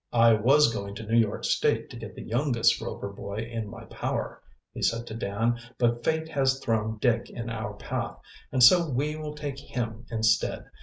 "I was going to New York State to get the youngest Rover boy in my power," he said to Dan, "but fate has thrown Dick in our path, and so we will take him instead.